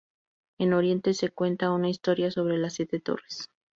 En Oriente se cuenta una historia sobre las siete torres.